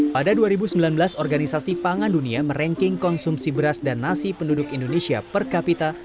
pada dua ribu sembilan belas organisasi pangan dunia meranking konsumsi beras dan nasi penduduk indonesia per kapita